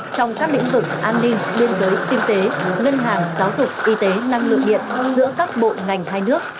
trong các lĩnh vực an ninh biên giới kinh tế ngân hàng giáo dục y tế năng lượng điện giữa các bộ ngành hai nước